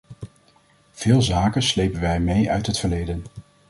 Veel zaken slepen wij mee uit het verleden.